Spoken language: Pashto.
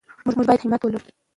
موږ باید همت ولرو.